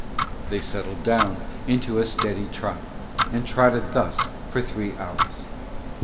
They settled down into a steady trot and trotted thus for three hours.